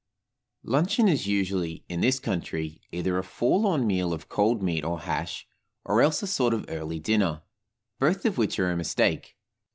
LUNCHEON is usually, in this country, either a forlorn meal of cold meat or hash, or else a sort of early dinner, both of which are a mistake.